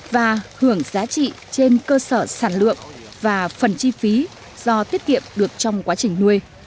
và hưởng giá trị trên cơ sở sản lượng và phần chi phí do tiết kiệm được trong quá trình nuôi